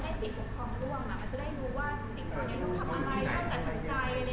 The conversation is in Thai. ไม่ได้รู้ว่าติดต่อได้รู้ทำอะไรต้องกระจายใจ